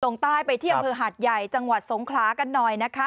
ลงใต้ไปที่อำเภอหาดใหญ่จังหวัดสงขลากันหน่อยนะคะ